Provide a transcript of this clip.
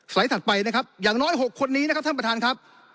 ถัดไปนะครับอย่างน้อย๖คนนี้นะครับท่านประธานครับ